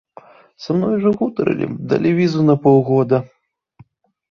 Са мной ужо гутарылі, далі візу на паўгода.